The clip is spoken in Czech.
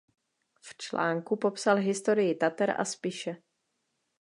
V článku popsal historii Tater a Spiše.